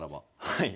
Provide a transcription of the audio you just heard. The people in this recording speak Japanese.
はい。